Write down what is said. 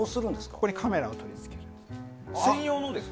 ここにカメラを取り付けます。